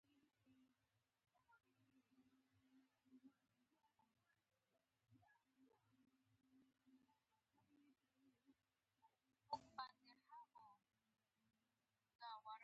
نیکه د ژوند په هره برخه کې د کورنۍ لارښود دی.